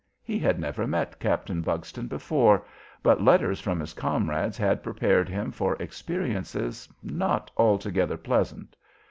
He had never met Captain Buxton before, but letters from his comrades had prepared him for experiences not altogether pleasant.